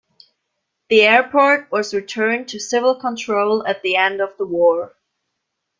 The airport was returned to civil control at the end of the war.